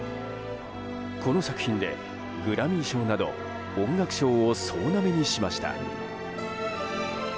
この作品で、グラミー賞など音楽賞を総なめにしました。